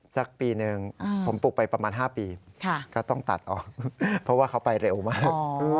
สักปีหนึ่งผมปลูกไปประมาณ๕ปีก็ต้องตัดออกเพราะว่าเขาไปเร็วมาก